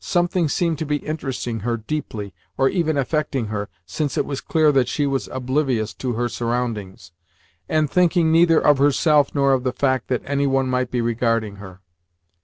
Something seemed to be interesting her deeply, or even affecting her, since it was clear that she was oblivious to her surroundings, and thinking neither of herself nor of the fact that any one might be regarding her.